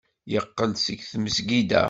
Yeqqel-d seg tmesgida.